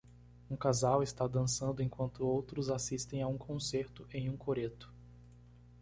Um casal está dançando enquanto outros assistem a um concerto em um coreto.